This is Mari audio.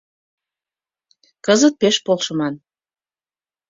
Кызыт пеш полшыман